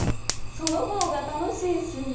その方が楽しいし。